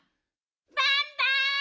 バンバン！